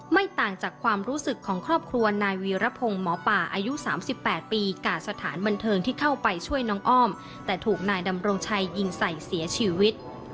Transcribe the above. ไม่ต่างจากความรู้สึกของครอบครัวนายวีรพงศ์หมอป่าอายุ๓๘ปีกาศสถานบันเทิงที่เข้าไปช่วยน้องอ้อมแต่ถูกนายดำรงชัยยิงใส่เสียชีวิต